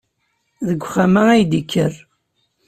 Deg uxxam-a i d-yekker.